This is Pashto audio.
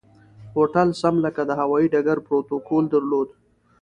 هوټل سم لکه د هوایي ډګر پروتوکول درلود.